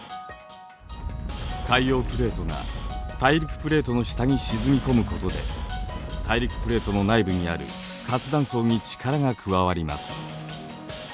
海洋プレートが大陸プレートの下に沈み込むことで大陸プレートの内部にある活断層に力が加わります。